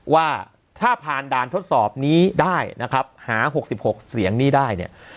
ว่าถ้าผ่านด่านทดสอบนี้ได้หา๖๖เสียงนี้ได้